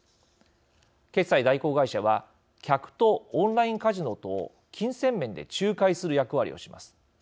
決済代行会社は客とオンラインカジノとを金銭面で仲介する役割をします。